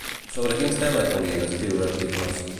Sobre quins temes volien escriure articles?